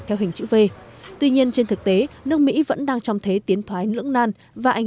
theo hình chữ v tuy nhiên trên thực tế nước mỹ vẫn đang trong thế tiến thoái lưỡng nan và ảnh